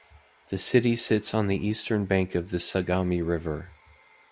The city sits on the eastern bank of the Sagami River.